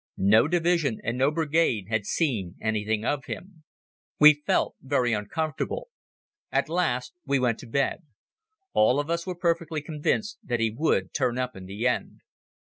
No Division and no Brigade had seen anything of him. We felt very uncomfortable. At last we went to bed. All of us were perfectly convinced that he would turn up in the end.